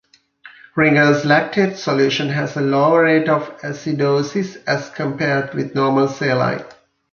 Ringer's lactate solution has a lower rate of acidosis as compared with normal saline.